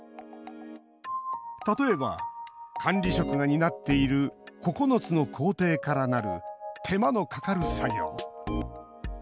例えば管理職が担っている９つの工程からなる手間のかかる作業。